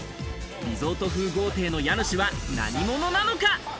リゾート風豪邸の家主は何者なのか？